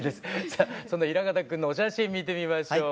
さあその平方君のお写真見てみましょう。